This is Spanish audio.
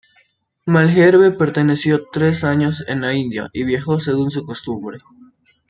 Malherbe permaneció tres años en la India y viajó según su costumbre.